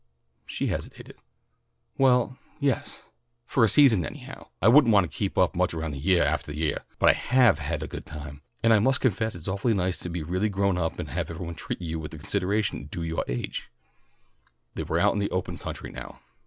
She hesitated. "Well, yes. For a season anyhow. I wouldn't want to keep up such a round yeah aftah yeah, but I have had a good time, and I must confess it's awfully nice to be really grown up and have everybody treat you with the consideration due yoah age." They were out in the open country now.